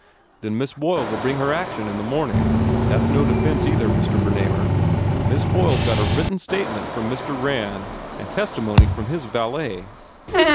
"Then Miss Boyle ll bring her action in the morning. There s no defence, either, Mr. Bern amer. Miss Boyle s got a written statement from M.r. Rand and testimony from his valet."